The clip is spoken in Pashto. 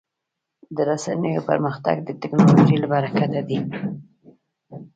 د رسنیو پرمختګ د ټکنالوژۍ له برکته دی.